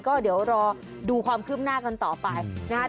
ก็เดี๋ยวรอดูความคืบหน้ากันต่อไปนะครับ